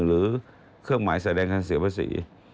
หรือเครื่องหมายแสดงการเสียภาษี